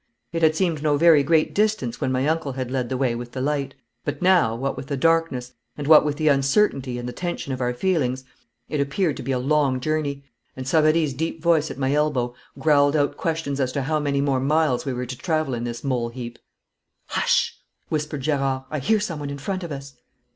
It had seemed no very great distance when my uncle had led the way with the light, but now, what with the darkness, and what with the uncertainty and the tension of our feelings, it appeared to be a long journey, and Savary's deep voice at my elbow growled out questions as to how many more miles we were to travel in this moleheap. 'Hush!' whispered Gerard. 'I hear someone in front of us.'